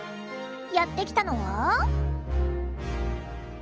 やって来たのは。